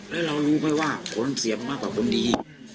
แล้วเรารู้ไหมว่าคนเสียบมากกว่าคนดี